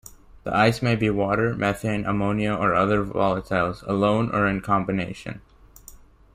The "ice" may be water, methane, ammonia, or other volatiles, alone or in combination.